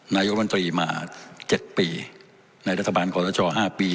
นายุบันตรีมาเจ็ดปีในรัฐบาลของรัชชอฯห้าปี